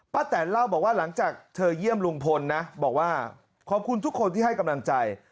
แตนเล่าบอกว่าหลังจากเธอเยี่ยมลุงพลนะบอกว่าขอบคุณทุกคนที่ให้กำลังใจ